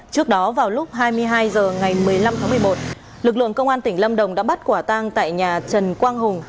trước đó vào lúc hai mươi hai h ngày một mươi năm tháng một mươi một lực lượng công an tỉnh lâm đồng đã bắt quả tang tại nhà trần quang hùng